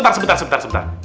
eh sebentar sebentar sebentar